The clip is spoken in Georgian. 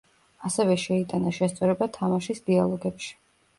ასევე შეიტანა შესწორება თამაშის დიალოგებში.